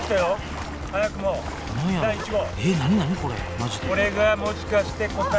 マジでこれがもしかして答え。